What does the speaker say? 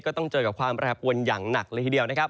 ต้องเจอกับความแปรปวนอย่างหนักเลยทีเดียวนะครับ